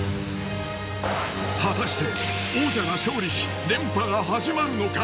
果たして王者が勝利し連覇が始まるのか？